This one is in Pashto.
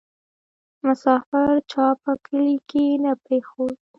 ـ مسافر چا په کلي کې نه پرېښود